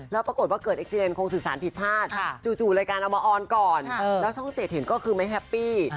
แล้วปรากฏว่าเกิดเอ็กซีเรนคงสื่อสารผิดพลาดจู่รายการเอามาออนก่อนแล้วช่องเจ็ดเห็นก็คือไม่แฮปปี้